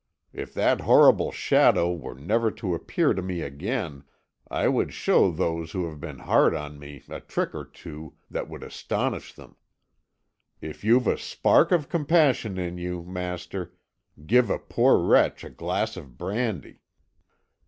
If that horrible shadow were never to appear to me again, I would show those who have been hard on me a trick or two that would astonish them. If you've a spark of compassion in you, master, give a poor wretch a glass of brandy."